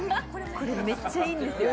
これめっちゃいいんですよ